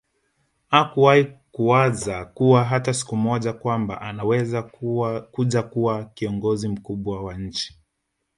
Hakuwai kuwaza kuwa hata siku moja kwamba anaweza kuja kuwa kiongozi mkubwa wa nchi